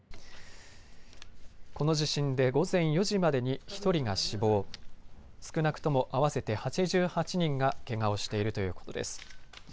この地震で午前４時までに１人が死亡、少なくとも合わせて８８人がけがをしているということです。